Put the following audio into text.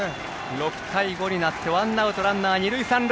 ６対５になってワンアウトランナー、二塁三塁。